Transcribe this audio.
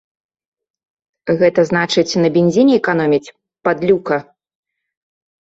Гэта значыць, на бензіне эканоміць, падлюка!